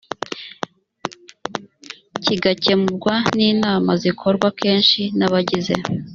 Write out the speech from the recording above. kigakemurwa n inama zikorwa kenshi n abagize